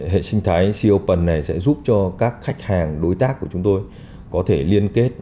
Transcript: hệ sinh thái copan này sẽ giúp cho các khách hàng đối tác của chúng tôi có thể liên kết